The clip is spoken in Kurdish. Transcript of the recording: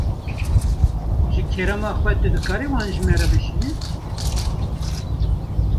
Ji kerema xwe tu dikarî wan ji min re bişînî.